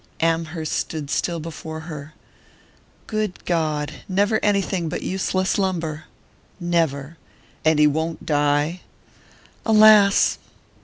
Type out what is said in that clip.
Amherst stood still before her. "Good God! Never anything but useless lumber?" "Never " "And he won't die?" "Alas!"